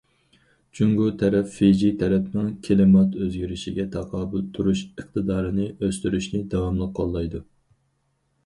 جۇڭگو تەرەپ فىجى تەرەپنىڭ كىلىمات ئۆزگىرىشىگە تاقابىل تۇرۇش ئىقتىدارىنى ئۆستۈرۈشىنى داۋاملىق قوللايدۇ.